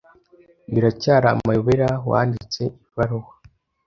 Biracyari amayobera wanditse ibaruwa.